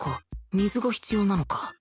水が必要なのか